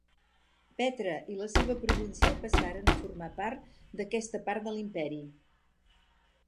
Petra i la seva província passaren a formar part d'aquesta part de l'Imperi.